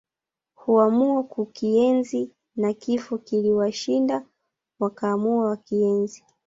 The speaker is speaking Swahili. Huamua kukienzi na Kifo kiliwashinda wakaamua wakienzi